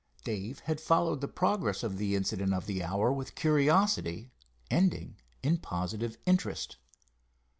Dave had followed the progress of the incident of the hour with curiosity, ending in positive interest.